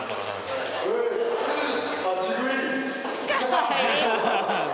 かわいい！